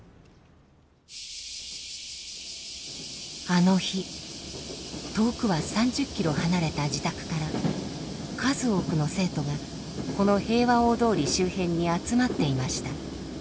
あの日遠くは３０ｋｍ離れた自宅から数多くの生徒がこの平和大通り周辺に集まっていました。